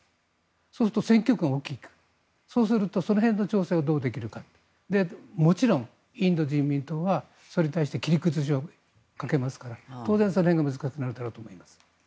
そうすると選挙区が大きいからそうするとその辺の調整をどうできるかもちろんインド人民党はそれに対して切り崩しをかけますから当然その辺が難しくなるだろうと思います。